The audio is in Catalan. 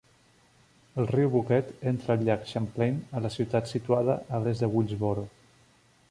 El riu Boquet entra al llac Champlain a la ciutat situada a l'est de Willsboro.